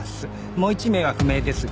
もう一名は不明ですが。